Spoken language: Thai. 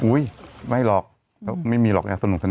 อุ้ยไม่หรอกไม่มีหรอกยาเสน่ห์สนุกเสน่ห์